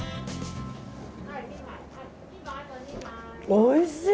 おいしい！